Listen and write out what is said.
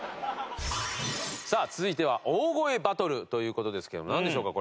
さあ続いては大声バトルという事ですけどもなんでしょうか？